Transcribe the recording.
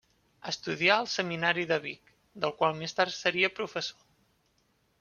Estudià al seminari de Vic, del qual més tard seria professor.